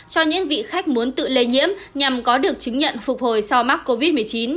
cho những vị khách muốn tự lây nhiễm nhằm có được chứng nhận phục hồi sau mắc covid một mươi chín